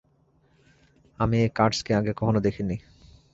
আমি এই কার্সকে আগে কখনো দেখিনি।